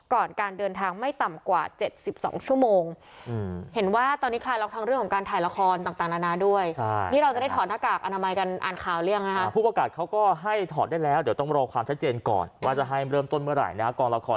ก่อนการเดินทางไม่ต่ำกว่า๗๒ชั่วโมง